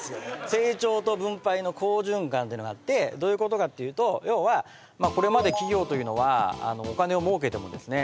成長と分配の好循環があってどういうことかっていうと要はまあこれまで企業というのはお金を儲けてもですね